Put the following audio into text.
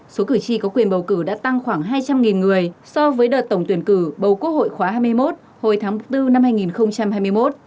số cử tri có quyền bầu cử đã tăng khoảng hai trăm linh người so với đợt tổng tuyển cử bầu quốc hội khóa hai mươi một hồi tháng bốn năm hai nghìn hai mươi một